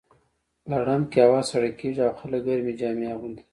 لړم کې هوا سړه کیږي او خلک ګرمې جامې اغوندي.